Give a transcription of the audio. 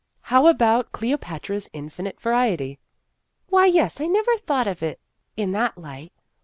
" How about Cleopatra's 'infinite variety'?" "Why, yes, I never thought of it in that light.